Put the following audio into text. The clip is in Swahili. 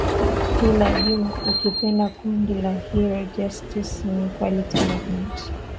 i la jme ukipenda kundi la hero justice and equality movement